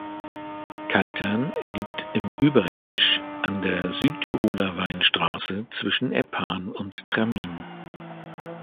Kaltern liegt im Überetsch an der Südtiroler Weinstraße zwischen Eppan und Tramin.